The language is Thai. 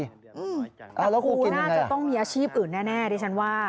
แต่ครูน่าจะต้องมีอาชีพอื่นแน่ดิฉันว่า